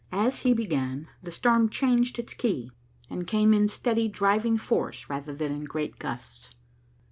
As he began, the storm changed its key, and came in steady, driving force rather than in great gusts.